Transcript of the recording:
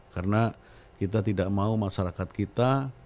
karena kita tidak mau masyarakat kita